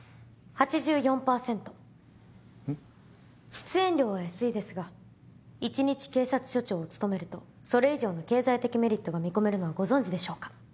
出演料は安いですが１日警察署長を務めるとそれ以上の経済的メリットが見込めるのはご存じでしょうか？